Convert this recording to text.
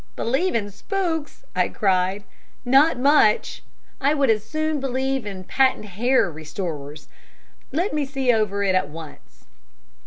"Believe in spooks!" I cried. "Not much. I would as soon believe in patent hair restorers. Let me see over it at once."